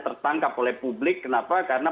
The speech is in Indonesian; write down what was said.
tertangkap oleh publik kenapa karena